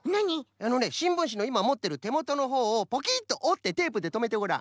あのねしんぶんしのいまもってるてもとのほうをポキッとおってテープでとめてごらん。